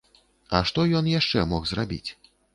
А што ён яшчэ мог зрабіць?